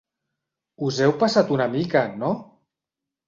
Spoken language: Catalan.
Us heu passat una mica, no?